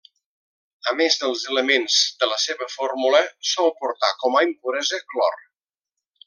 A més dels elements de la seva fórmula, sol portar com a impuresa clor.